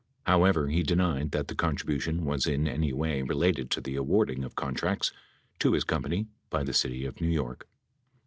However, he denied that the contribution was in any way related to the awarding of contracts to his company by the city of New York.